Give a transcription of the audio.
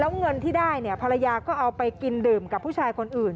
แล้วเงินที่ได้เนี่ยภรรยาก็เอาไปกินดื่มกับผู้ชายคนอื่น